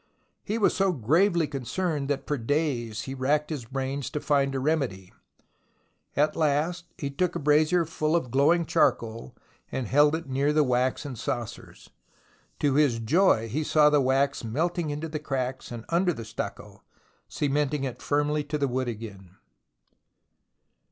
He was so gravely concerned that for days he racked his brains to find a remedy. At last, he took a brazier full of glowing charcoal, and held it near the waxen saucers. To his joy he saw the wax melting into the cracks and under the stucco, cementing it firmly to the wood again.